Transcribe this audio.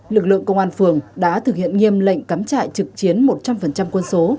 lực lượng công an phường đã thực hiện nghiêm lệnh cắm trại trực chiến một trăm linh quân số